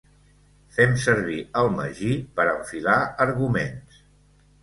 Fem servir el magí per enfilar arguments.